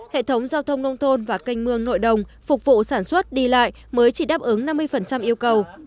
hệ thống giao thông nông thôn và canh mương nội đồng phục vụ sản xuất đi lại mới chỉ đáp ứng năm mươi yêu cầu